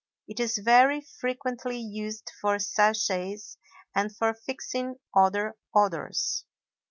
It is very frequently used for sachets and for fixing other odors.